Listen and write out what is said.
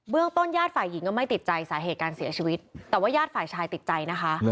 ต้นญาติฝ่ายหญิงก็ไม่ติดใจสาเหตุการเสียชีวิตแต่ว่าญาติฝ่ายชายติดใจนะคะ